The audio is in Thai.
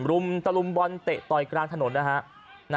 รุมตะลุมบอลเตะต่อยกลางถนนนะฮะ